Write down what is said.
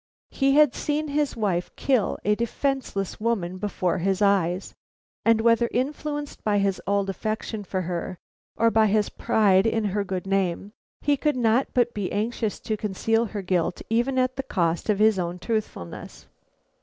He had seen his wife kill a defenceless woman before his eyes, and whether influenced by his old affection for her or by his pride in her good name, he could not but be anxious to conceal her guilt even at the cost of his own truthfulness.